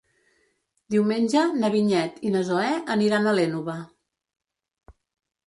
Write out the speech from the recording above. Diumenge na Vinyet i na Zoè aniran a l'Énova.